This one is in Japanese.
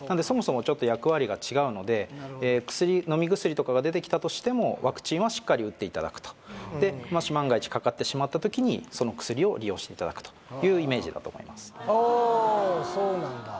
そもそもちょっと役割が違うので飲み薬とかが出てきたとしてもワクチンはしっかり打っていただくとでもし万が一かかってしまった時にその薬を利用していただくというイメージだと思います